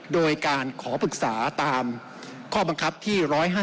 โดยการขอปรึกษาตามข้อบังคับที่๑๕๗